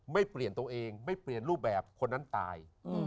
ไม่เปลี่ยนตัวเองไม่เปลี่ยนรูปแบบคนนั้นตาย